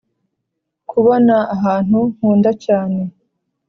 kubona ahantu nkunda cyane